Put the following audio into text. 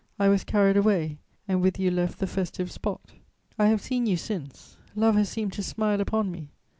I was carried away, and with you left the festive spot. "I have seen you since: love has seemed to smile upon me.